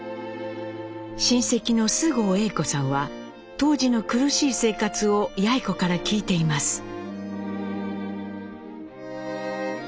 親戚の菅生栄子さんは当時の苦しい生活をやい子から聞いています。